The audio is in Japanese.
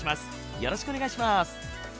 よろしくお願いします。